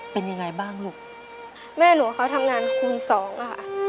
เป็นยังไงบ้างลูกแม่หนูกับเขาทำงานคูณสองอ่ะค่ะ